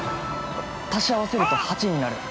足し合わせると、８になる！